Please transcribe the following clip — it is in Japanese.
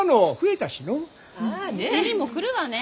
店にも来るわね。